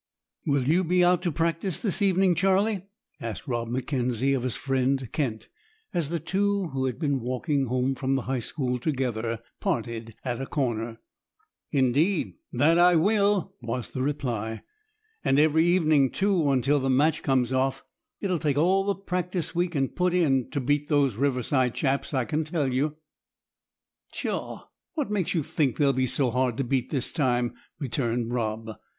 * "Will you be out to practice this evening, Charlie?" asked Rob M'Kenzie of his friend Kent, as the two, who had been walking home from the high school together, parted at a corner. "Indeed, that I will," was the reply; "and every evening, too, until the match comes off. It'll take all the practice we can put in to beat those Riverside chaps, I can tell you." "Pshaw! What makes you think they'll be so hard to beat this time?" returned Rob.